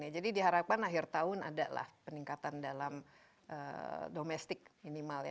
jadi diharapkan akhir tahun adalah peningkatan dalam domestik minimal ya